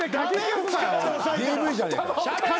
ＤＶじゃねえか。